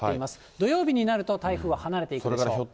土曜日になると台風は離れていくでしょう。